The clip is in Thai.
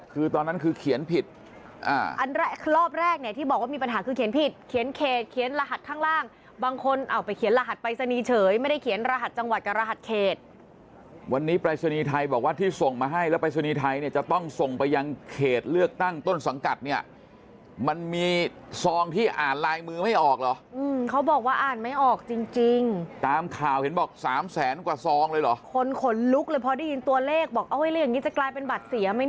คือตอนนั้นคือเขียนผิดอ่าอันแรกรอบแรกเนี่ยที่บอกว่ามีปัญหาคือเขียนผิดเขียนเขตเขียนรหัสข้างล่างบางคนเอาไปเขียนรหัสไปสนีเฉยไม่ได้เขียนรหัสจังหวัดกับรหัสเขตวันนี้ไปสนีไทยบอกว่าที่ส่งมาให้แล้วไปสนีไทยเนี่ยจะต้องส่งไปยังเขตเลือกตั้งต้นสังกัดเนี่ยมันมีซองที่อ่านไลน์มือไม่